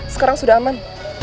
sekarang sudah aman